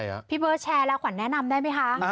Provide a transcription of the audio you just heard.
ใช่อะพี่เบิ้ลแชร์แล้วก่อนแนะนำได้มั้ยคะ